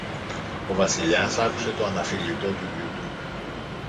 ο Βασιλιάς άκουσε το αναφιλητό του γιου του.